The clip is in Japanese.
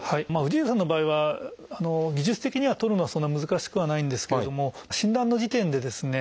氏家さんの場合は技術的にはとるのはそんな難しくはないんですけれども診断の時点でですね